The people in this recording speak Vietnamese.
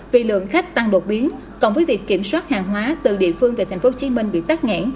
vì lượng khách tăng đột biến cộng với việc kiểm soát hàng hóa từ địa phương về tp hcm bị tắt nghẽn